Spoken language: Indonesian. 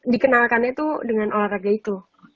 dikenalkannya itu dengan olahraga itu